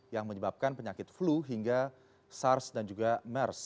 yang menyebabkan penyakit flu hingga sars dan juga mers